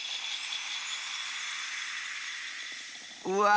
うわ！